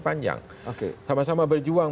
panjang sama sama berjuang